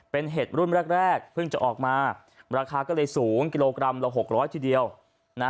เป็นเห็ดรุ่นแรกแรกเพิ่งจะออกมาราคาก็เลยสูงกิโลกรัมละหกร้อยทีเดียวนะ